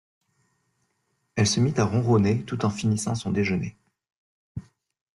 Elle se mit à ronronner tout en finissant son déjeuner.